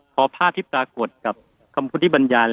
พอภาพที่ปรากฏกับคำพุทธิบรรยาย